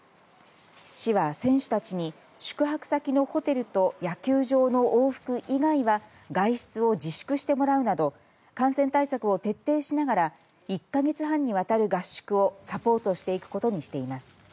市は選手たちに宿泊先のホテルと野球場の往復以外は外出を自粛してもらうなど感染対策を徹底しながら１か月半にわたる合宿をサポートしていくことにしています。